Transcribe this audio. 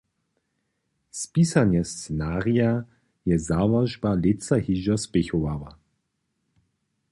Spisanje scenarija je załožba lětsa hižo spěchowała.